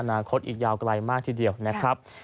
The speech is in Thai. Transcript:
นาคตอีกยาวไกลมากทีเดียวนะครับ